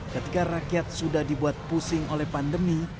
ketika rakyat sudah dibuat pusing oleh pandemi